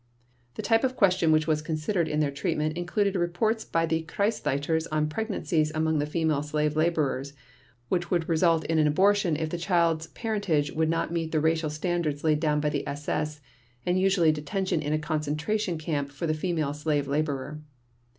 The type of question which was considered in their treatment included reports by the Kreisleiters on pregnancies among the female slave laborers, which would result in an abortion if the child's parentage would not meet the racial standards laid down by the SS and usually detention in a concentration camp for the female slave laborer.